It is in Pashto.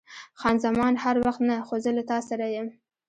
خان زمان: هر وخت نه، خو زه له تا سره یم.